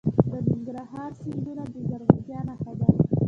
د ننګرهار سیندونه د زرغونتیا نښه ده.